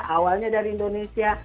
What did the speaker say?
awalnya dari indonesia